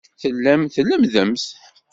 Tellamt tlemmdemt.